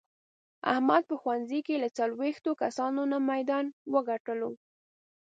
احمد په ښوونځې کې له څلوېښتو کسانو نه میدان و ګټلو.